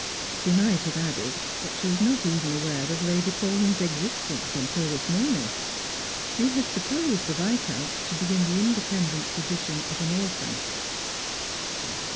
She might have adJed, that she was not even aware of Lady Paulyn's existence until this morning. She had supposed the Viscount to be in the independent position of an orphan.